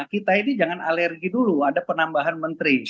kita ini jangan alergi dulu ada penambahan menteri